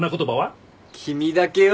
君だけを。